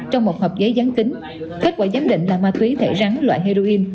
trong một hộp giấy dán tính kết quả giám định là ma túy thể rắn loại heroin